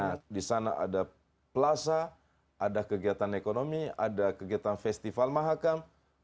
nah di sana ada plaza ada kegiatan ekonomi ada kegiatan festival mahakam